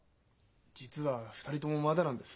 実は２人ともまだなんです。